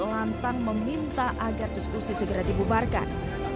lantang meminta agar diskusi segera dibubarkan